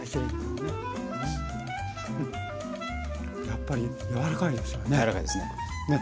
やっぱりやわらかいですよね。